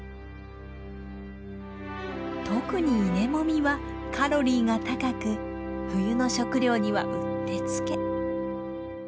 特に稲もみはカロリーが高く冬の食料にはうってつけ。